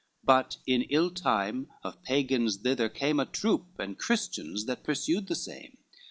But in ill time of Pagans thither came A troop, and Christians that pursued the same.